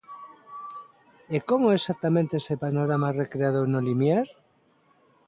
E como é exactamente ese panorama recreado no limiar?